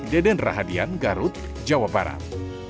deden rahadian garut jawa barat